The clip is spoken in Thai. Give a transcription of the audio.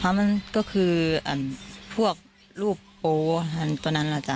เพราะมันก็คือพวกลูกโปฮันตร์ตอนนั้นหรอจ่ะ